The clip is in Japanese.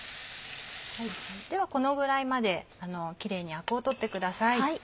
ではこのぐらいまでキレイにアクを取ってください。